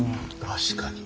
確かに。